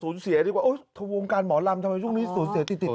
เสียดีกว่าโอ้วงการหมอลำทำไมช่วงนี้สูญเสียติดติด